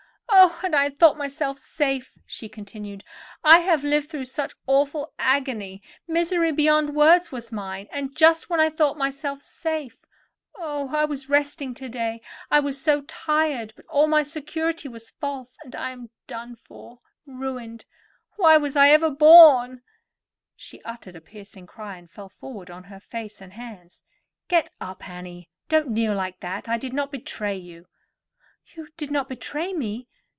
"Oh! and I thought myself safe," she continued. "I have lived through such awful agony—misery beyond words was mine; and just when I thought myself safe. Oh, I was resting to day, I was so tired; but all my security was false, and I am done for—ruined. Why was I ever born?" She uttered a piercing cry, and fell forward on her face and hands. "Get up, Annie; don't kneel like that. I did not betray you." "You did not betray me?